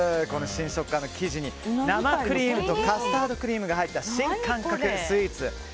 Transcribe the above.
この新食感の生地に生クリームとカスタードクリームが入った新感覚スイーツ。